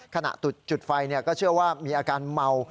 ขณะจุดไฟก็เชื่อว่ามีอาการเมา